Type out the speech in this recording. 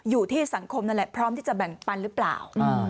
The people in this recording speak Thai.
อยู่ที่สังคมนั่นแหละพร้อมที่จะแบ่งปันหรือเปล่า